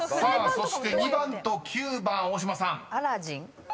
［そして２番と９番大島さん］